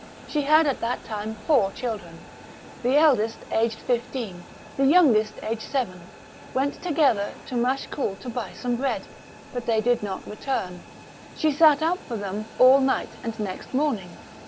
She had at that time four children ; the eldest aged fifteen, the youngest aged seven, went 202 THE BOOK OF WERE WOLVES. together to Machecoul to buy some bread, but they did not return. She sat up for them all night and next morning.